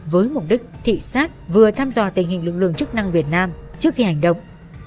với mục đích thị sát vừa thăm dò tình hình lực lượng chức năng việt nam trước khi hành động